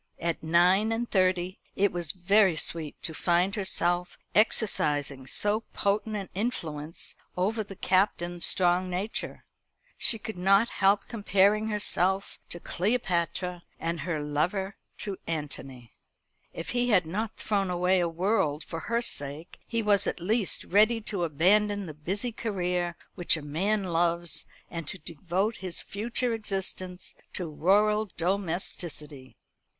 At nine and thirty it was very sweet to find herself exercising so potent an influence over the Captain's strong nature. She could not help comparing herself to Cleopatra, and her lover to Antony. If he had not thrown away a world for her sake, he was at least ready to abandon the busy career which a man loves, and to devote his future existence to rural domesticity.